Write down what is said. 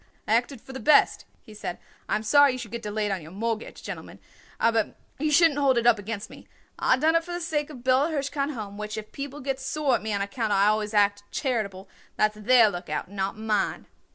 "I acted for the best," he said. "I am sorry you should get delayed on your mortgage, gentlemen, aber you shouldn't hold it up against me. I done it for the sake of the Bella Hirshkind Home, which if people gets sore at me on account I always act charitable, that's their lookout, not mine."